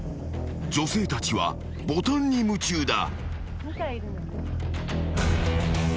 ［女性たちはボタンに夢中だ］